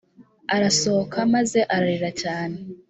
arasohoka maze ararira cyane